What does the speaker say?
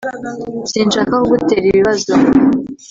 sinshaka kugutera ibibazo